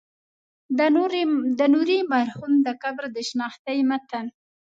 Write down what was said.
د نوري مرحوم د قبر د شنختې متن.